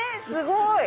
すごい。